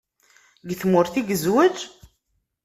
Deg tmurt i yezweǧ?